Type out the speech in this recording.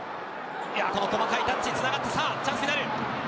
この細かいタッチつながってきたチャンスになる。